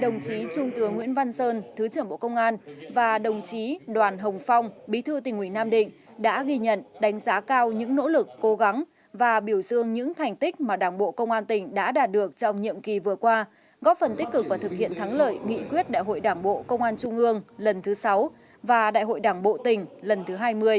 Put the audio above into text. nguyễn văn sơn thứ trưởng bộ công an và đồng chí đoàn hồng phong bí thư tỉnh nguyễn nam định đã ghi nhận đánh giá cao những nỗ lực cố gắng và biểu dương những thành tích mà đảng bộ công an tỉnh đã đạt được trong nhiệm kỳ vừa qua góp phần tích cực và thực hiện thắng lợi nghị quyết đại hội đảng bộ công an trung ương lần thứ sáu và đại hội đảng bộ tỉnh lần thứ hai mươi